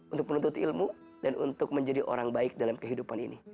untuk menuntut ilmu dan untuk menjadi orang baik dalam kehidupan ini